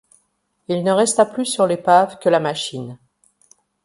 Il ne resta plus sur l’épave que la machine.